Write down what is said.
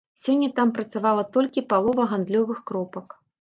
Сёння там працавала толькі палова гандлёвых кропак.